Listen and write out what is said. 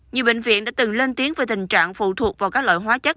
nhiều bệnh viện đã từng lên tiếng về tình trạng phụ thuộc vào các loại hóa chất